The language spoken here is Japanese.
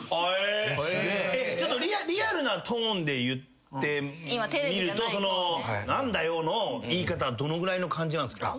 ちょっとリアルなトーンで言ってみると「何だよ」の言い方はどのぐらいの感じなんすか？